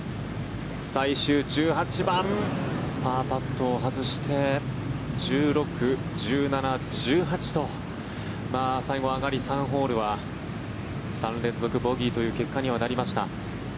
最終１８番パーパットを外して１６、１７、１８と最後上がり３ホールは３連続ボギーという結果にはなりました。